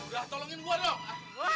udah tolongin gua dong